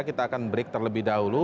kita akan break terlebih dahulu